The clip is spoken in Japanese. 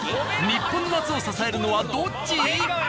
日本の夏を支えるのはどっち？